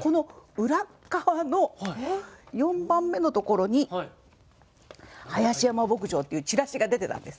この裏っかわの４番目のところに「林山牧場」っていうチラシが出てたんです。